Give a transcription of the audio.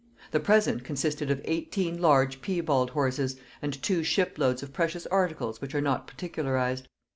The present consisted of eighteen large piebald horses, and two ship loads of precious articles which are not particularized.